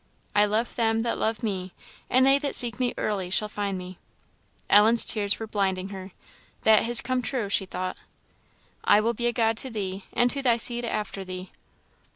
"I love them that love me, and they that seek me early shall find me." Ellen's tears were blinding her. "That has come true," she thought. "I will be a God to thee, and to thy seed after thee."